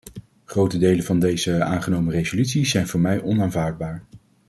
Grote delen van deze aangenomen resolutie zijn voor mij onaanvaardbaar.